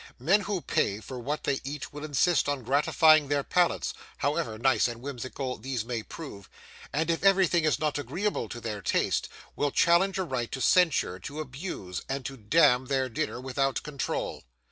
Men who pay for what they eat, will insist on gratifying their palates, however nice and whimsical these may prove; and if everything is not agreeable to their taste, will challenge a right to censure, to abuse, and to damn their dinner without control.